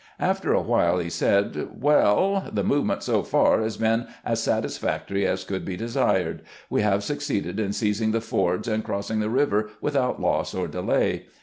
After a while he said: "Well, the movement so far has been as satisfactory as could be desired. We have succeeded in seizing the fords and crossing the river without loss or delay.